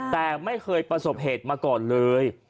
แต่ไม่เคยประสบเหตุมาก่อนเลย